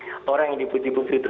kalau yang lagi jadi kondisi itu